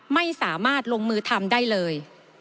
ไม่สามารถลงมือทำได้เลย